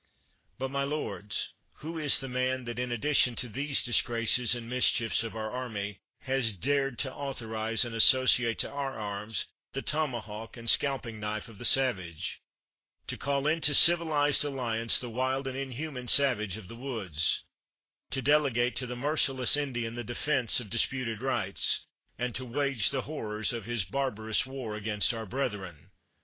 But, my lords, who is the man 1 that, in addi tion to these disgraces and mischiefs of our army, has dared to authorize and associate to our arms the tomahawk and scalping knif e of the savage ; to call intc civilized alliance the wild and in human savage of the woods; to delegate to the merciless Indian the defense of disputed rights, and to wage the horrors of his barbarous war against our brethren?